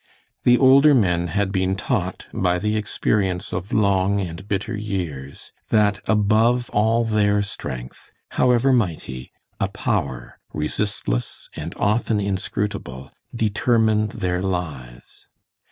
The older men had been taught by the experience of long and bitter years, that above all their strength, however mighty, a power, resistless and often inscrutable, determined their lives.